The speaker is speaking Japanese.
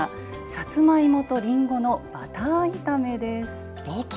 「さつまいもとりんごのバター炒め」です。